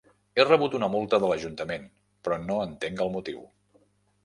He rebut una multa de l'Ajuntament, però no entenc el motiu.